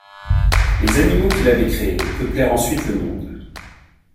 Les animaux qu’il avait créés peuplèrent ensuite le monde.